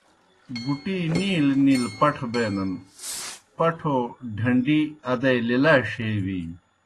بُٹِی نِیلہ نِیلہ پٹھہ بینَن، پٹھو ڈھنڈی ادئی لِلاَݜیْ ہے بِینیْ۔